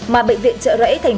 mà bệnh viện chợ rẫy tp hcm